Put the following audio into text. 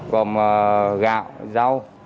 còn gạo rau